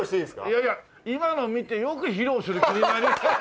いやいや今の見てよく披露する気に。